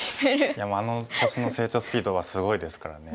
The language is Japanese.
いやあの年の成長スピードはすごいですからね。